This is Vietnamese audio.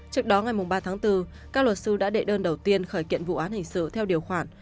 trước đó ngày ba tháng bốn các luật sư đã đệ đơn đầu tiên khởi kiện vụ án hình sự theo điều khoản